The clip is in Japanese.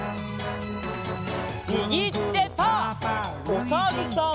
おさるさん。